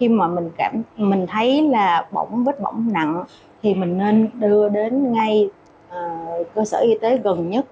khi mà mình thấy là bỏng vết bỏng nặng thì mình nên đưa đến ngay cơ sở y tế gần nhất